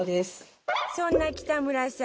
そんな北村さん